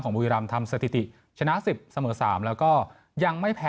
ของบุยรำทำสถิติชนะสิบสมึกสามแล้วก็ยังไม่แพ้